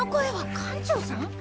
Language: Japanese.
館長さん！？